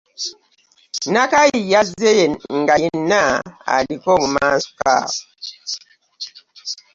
Nakaayi yazze nga yenna aliko obumansuka.